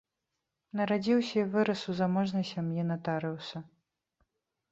Нарадзіўся і вырас ў заможнай сям'і натарыуса.